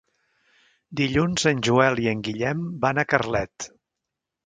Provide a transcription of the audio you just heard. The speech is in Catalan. Dilluns en Joel i en Guillem van a Carlet.